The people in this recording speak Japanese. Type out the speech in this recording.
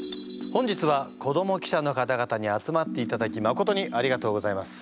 本日は子ども記者の方々に集まっていただきまことにありがとうございます。